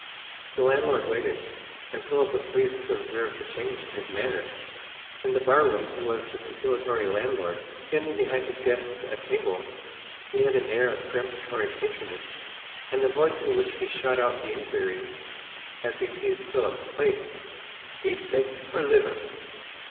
The landlord waited, and Philip was pleased to observe the change in his manner. In the barroom he was the conciliatory landlord. Standing behind his guests at table, he had an air of peremptory patronage, and the voice in which he shot out the inquiry, as he seized Philip's plate, "Beefsteak or liver?"